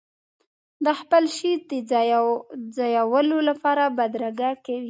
د خپل شي د ځایولو لپاره بدرګه کوي.